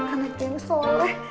anak yang soleh